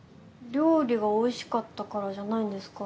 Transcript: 料理がおいしかったからじゃないんですか？